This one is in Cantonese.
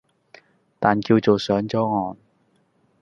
但叫做上咗岸